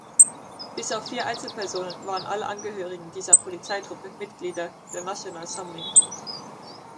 Bis auf vier Einzelpersonen waren alle Angehörigen dieser Polizeitruppe Mitglieder der Nasjonal Samling.